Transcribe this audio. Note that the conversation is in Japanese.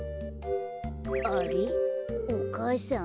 あれっお母さん？